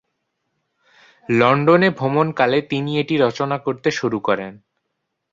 লন্ডনে ভ্রমণ কালে তিনি এটি রচনা করতে শুরু করেন।